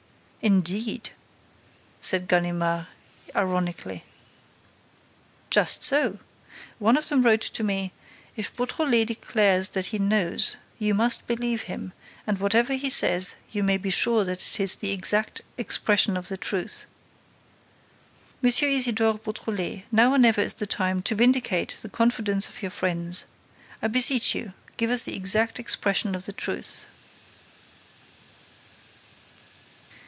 "Indeed!" said Ganimard, ironically. "Just so. One of them wrote to me, 'If Beautrelet declares that he knows, you must believe him; and, whatever he says, you may be sure that it is the exact expression of the truth.' M. Isidore Beautrelet, now or never is the time to vindicate the confidence of your friends. I beseech you, give us the exact expression of the truth."